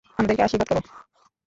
আমাদেরকে আশীর্বাদ করো।